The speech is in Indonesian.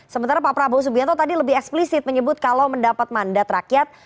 sementara pak prabowo subianto tadi lebih eksplisit menyebut kalau mendapat mandat rakyat